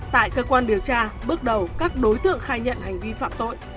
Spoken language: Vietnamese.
tại cơ quan điều tra bước đầu các đối tượng khai nhận hành vi phạm tội